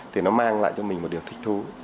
thì nó mang lại cho mình một điều thích thú